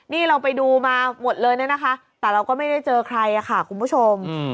นี่เราไปดูมาหมดเลยเนี่ยนะคะแต่เราก็ไม่ได้เจอใครค่ะคุณผู้ชม